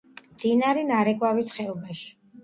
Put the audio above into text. მდინარე ნარეკვავის ხეობაში.